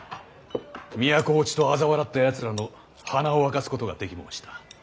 都落ちとあざ笑ったやつらの鼻を明かすことができ申した。